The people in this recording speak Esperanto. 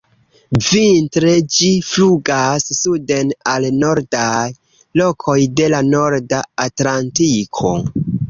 Vintre ĝi flugas suden al nordaj lokoj de la norda Atlantiko.